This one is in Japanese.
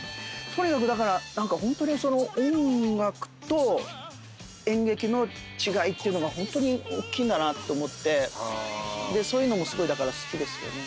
とにかくだからホントに音楽と演劇の違いっていうのがホントに大きいんだなと思ってそういうのもすごいだから好きですよね。